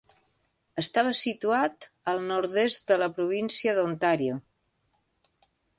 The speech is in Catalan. Estava situat al nord-est de la província d'Ontario.